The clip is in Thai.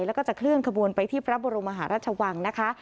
แล้วก็จะเคลื่อนขบวนไปที่พระบรมมหาราชวังนะคะ